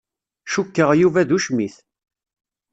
Cukkeɣ Yuba d ucmit.